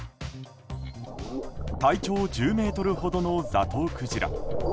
体長１０ｍほどのザトウクジラ。